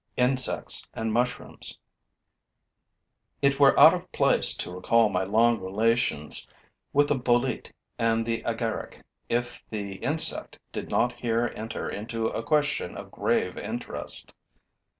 INSECTS AND MUSHROOMS It were out of place to recall my long relations with the bolete and the agaric if the insect did not here enter into a question of grave interest.